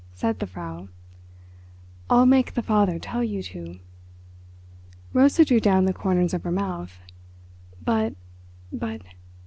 said the Frau. "I'll make the father tell you too." Rosa drew down the corners of her mouth. "But... but...."